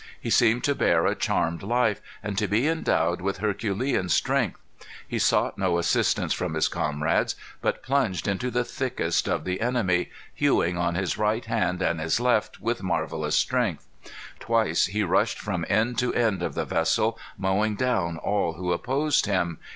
He seemed to bear a charmed life, and to be endowed with herculean strength. He sought no assistance from his comrades, but plunged into the thickest of the enemy, hewing on his right hand and his left, with marvellous strength. Twice he rushed from end to end of the vessel, mowing down all who opposed him.